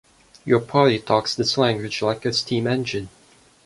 Your party talks this language like a steam engine.